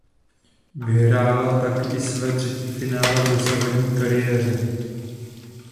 Vyhrála tak i své třetí finále v dosavadní kariéře.